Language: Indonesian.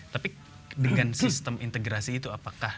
tapi dengan sistem integrasi itu apakah